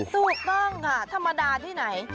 ถูกต้องค่ะธรรมดาที่ไหน